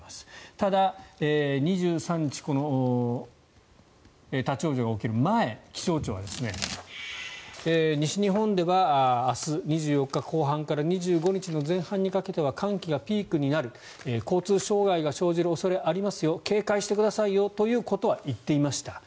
ただ、２３日立ち往生が起きる前気象庁は西日本では明日２４日後半から２５日前半にかけては寒気がピークになる交通障害が生じる恐れがありますよ警戒してくださいよということは言っていました。